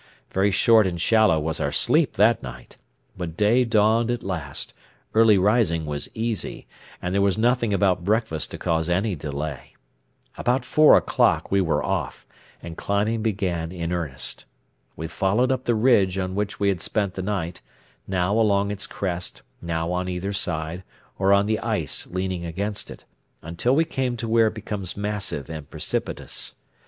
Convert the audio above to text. Very short and shallow was our sleep that night; but day dawned at last, early rising was easy, and there was nothing about breakfast to cause any delay. About four o'clock we were off, and climbing began in earnest. We followed up the ridge on which we had spent the night, now along its crest, now on either side, or on the ice leaning against it, until we came to where it becomes massive and precipitous.